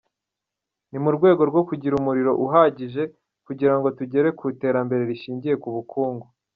Ni mu rwego rwo kugira umuriro uhagije kugirango tugere ku iterambere rishingiye ku bukungu”.